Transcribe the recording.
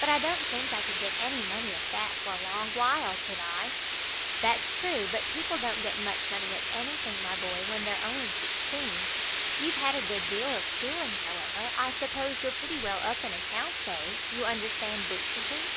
"But I don't think I could get any money at that for a long while, could I?" "That's true; but people don't get much money at anything, my boy, when they're only sixteen. You've had a good deal of schooling, however; I suppose you're pretty well up in accounts, eh? You understand book keeping?"